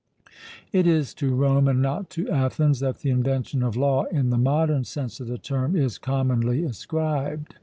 It is to Rome and not to Athens that the invention of law, in the modern sense of the term, is commonly ascribed.